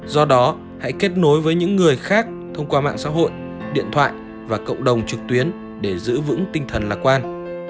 do đó hãy kết nối với những người khác thông qua mạng xã hội điện thoại và cộng đồng trực tuyến để giữ vững tinh thần lạc quan